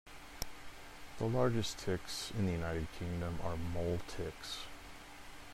The largest ticks in the United Kingdom are mole ticks.